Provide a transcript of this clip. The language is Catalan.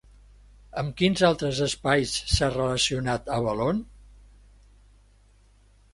Amb quins altres espais s'ha relacionat Avalon?